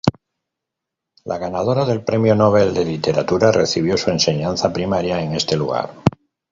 La ganadora del premio nobel de literatura, recibió su enseñanza primaria en este lugar.